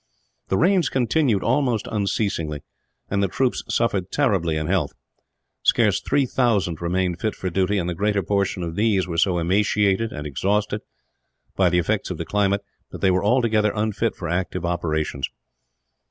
The rains continued almost unceasingly, and the troops suffered terribly in health. Scarce three thousand remained fit for duty, and the greater portion of these were so emaciated and exhausted, by the effects of the climate, that they were altogether unfit for active operations.